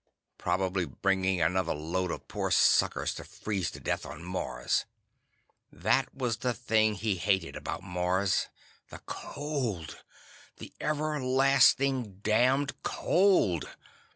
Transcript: Probably bringing another load of poor suckers to freeze to death on Mars. That was the thing he hated about Mars—the cold. The everlasting damned cold!